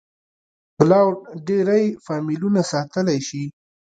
کلاوډ ډېری فایلونه ساتلی شي.